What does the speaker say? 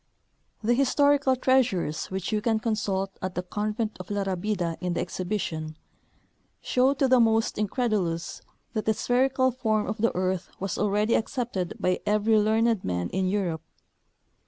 The historical treasures, which you can consult at the convent of La Rabida in the exhibition, show to the most incredulous that the spherical form of the earth Avas already accepted by every learned man in Europe.